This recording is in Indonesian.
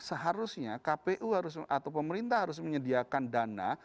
seharusnya kpu harus atau pemerintah harus menyediakan dana